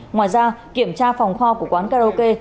ngoài ra kiểm tra phòng kho của quán karaoke